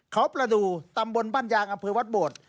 เขาประดูกตำบลบ้านยางอำเภอวัดโบด